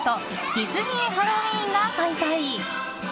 ディズニー・ハロウィーンが開催。